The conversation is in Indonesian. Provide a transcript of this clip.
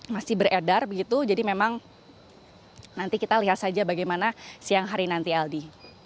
masih beredar begitu jadi memang nanti kita lihat saja bagaimana siang hari nanti aldi